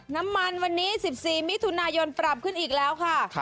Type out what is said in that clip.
น้ำมันวันนี้๑๔มิถุนายนปรับขึ้นอีกแล้วค่ะ